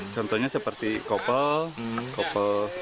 contohnya seperti koppel